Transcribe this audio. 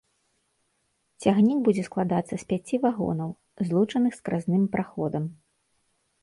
Цягнік будзе складацца з пяці вагонаў, злучаных скразным праходам.